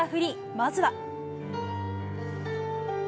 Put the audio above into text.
まずは。